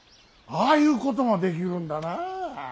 ああいうこともできるんだな。